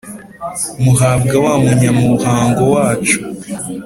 muhabwa wa munyamuhango wacu